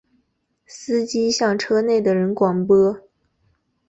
司机向车内的人广播